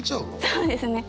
そうですね！